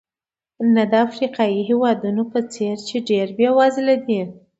نه د افریقایي هېوادونو په څېر چې ډېر بېوزله دي.